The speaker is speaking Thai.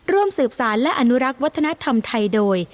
ร่วมสืบสารและอนุรักษ์วัฒนธรรมไทยโดย